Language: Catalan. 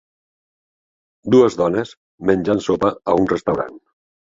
Dues dones menjant sopa a un restaurant.